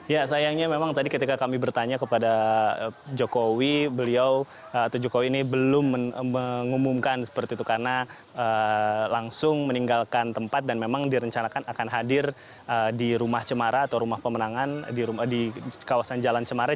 ya sayangnya memang tadi ketika kami bertanya kepada jokowi beliau atau jokowi ini belum mengumumkan seperti itu karena langsung meninggalkan tempat dan memang direncanakan akan hadir di rumah cemara atau rumah pemenangan di kawasan jalan cemara